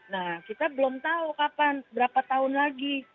nah kita belum tahu kapan berapa tahun lagi